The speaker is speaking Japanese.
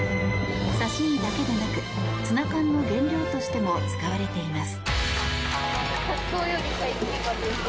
刺し身だけでなくツナ缶の原料としても使われています。